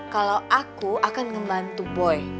kalo aku akan ngebantu boy